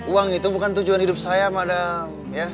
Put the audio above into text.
uang itu bukan tujuan hidup saya madam